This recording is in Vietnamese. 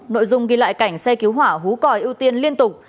nội dung ghi lại cảnh xe cứu hỏa hú còi ưu tiên liên tục